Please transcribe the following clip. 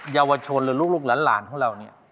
เยาวชนหรือลูกหลานของเราเนี่ย